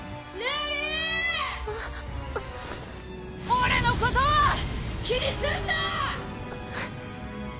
俺のことは気にすんな！